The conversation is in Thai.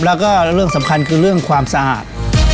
แล้วก็เรื่องสำคัญคือเรื่องความสะอาด